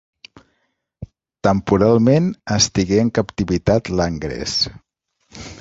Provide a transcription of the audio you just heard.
Temporalment estigué en captivitat Langres.